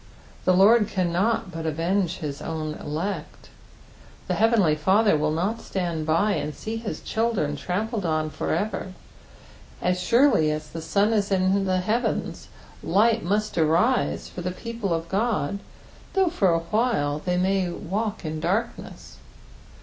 The Lord cannot but avenge his own elect. The heavenly Father will not stand by and see his children trampled on for ever ; as surely as the sun is in the heavens, light must arise for the people of Qod, though for awhile they may walk in darkness.